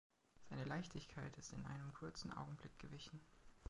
Seine Leichtigkeit ist in einem kurzen Augenblick gewichen.